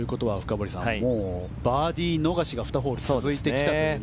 もうバーディー逃しが２ホール続いてきたと。